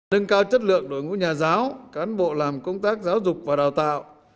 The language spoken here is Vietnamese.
nâng cao chất lượng đội ngũ nhà giáo cán bộ làm công tác giáo dục và đào tạo